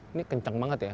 ini kencang banget ya